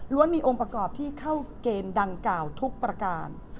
มีองค์ประกอบที่เข้าเกณฑ์ดังกล่าวทุกประการ